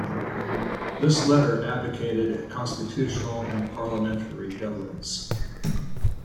This letter advocated constitutional and parliamentary governance.